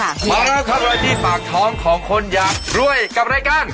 มาแล้วครับเวทีปากท้องของคนอยากรวยกับรายการ